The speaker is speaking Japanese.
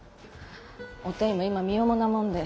おていも今身重なもんで。